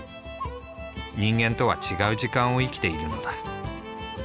人間とは違う時間を生きているのだ。